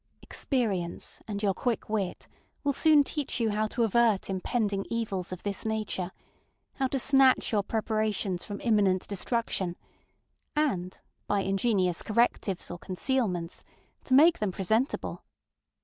Experience and your quick wit will soon teach you how to avert impending evils of this nature, how to snatch your preparations from imminent destruction, and, by ingenious correctives or concealments, to make them presentable.